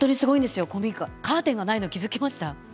カーテンがないの気付きました？